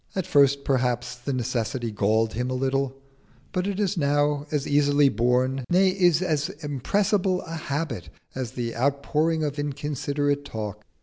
At first perhaps the necessity galled him a little, but it is now as easily borne, nay, is as irrepressible a habit as the outpouring of inconsiderate talk.